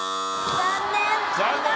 残念。